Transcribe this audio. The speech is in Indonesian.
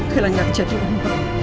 bila tidak jadi umroh